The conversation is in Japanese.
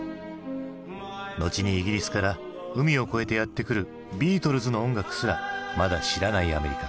後にイギリスから海を越えてやって来るビートルズの音楽すらまだ知らないアメリカ。